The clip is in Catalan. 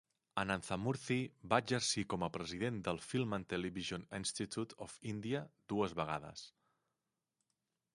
Ananthamurthy va exercir com a president del Film and Television Institute of India dues vegades.